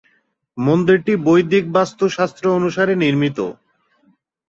মন্দিরটি বৈদিক বাস্তু শাস্ত্র অনুসারে নির্মিত।